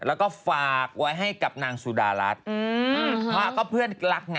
แล้วก็ฝากไว้ให้กับนางสุดารัฐว่าก็เพื่อนรักไง